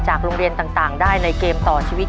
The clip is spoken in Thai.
โรงเรียนต่างได้ในเกมต่อชีวิต